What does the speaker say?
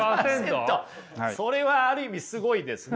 それはある意味すごいですね。